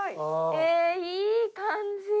えいい感じ。